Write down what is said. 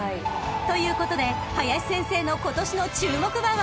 ［ということで林先生の今年の注目馬は］